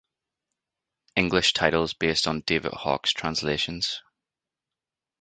English titles based on David Hawkes' translations.